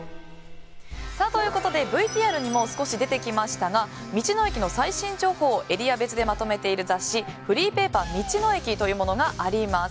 ＶＴＲにも少し出てきましたが道の駅の最新情報をエリア別でまとめている雑誌「フリーペーパー道の駅」というものがあります。